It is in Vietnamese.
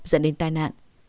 dẫn đến tai nạn